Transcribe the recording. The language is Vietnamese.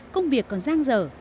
công việc còn giang dở